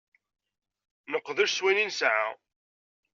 Nqeddec s wayen i nesɛa.